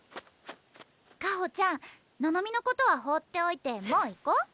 香穂ちゃんののみのことは放っておいてもう行こう。